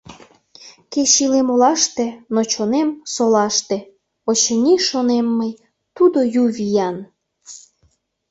Кеч илем олаште, но чонем — солаште, Очыни, шонем мый, тудо ю виян.